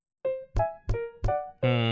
うん。